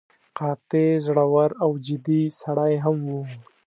قاطع، زړور او جدي سړی هم و.